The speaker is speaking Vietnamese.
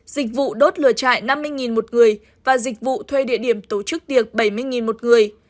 dịch vụ đốt lửa trại năm mươi k một người và dịch vụ thuê địa điểm tổ chức tiệc bảy mươi k một người